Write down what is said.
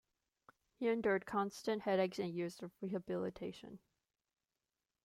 He endured constant headaches and years of rehabilitation.